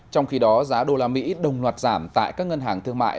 trong khi đó giá đô la mỹ đồng loạt giảm tại các ngân hàng thương mại